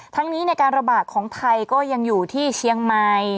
ทั้งนี้ในการระบาดของไทยก็ยังอยู่ที่เชียงใหม่